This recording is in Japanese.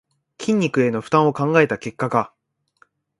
筋肉への負担を考えた結果か